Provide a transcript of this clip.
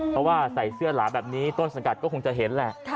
เพราะว่าใส่เสื้อหลาแบบนี้ต้นสังกัดก็คงจะเห็นแหละ